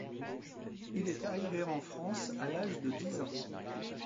Il est arrivé en France à l´âge de dix ans.